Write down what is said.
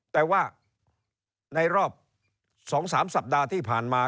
แต่ว่าในรอบ๒๓สัปดาห์ที่ผ่านมา